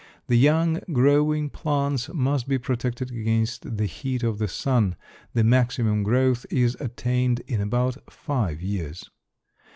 The young growing plants must be protected against the heat of the sun. The maximum growth is attained in about five years.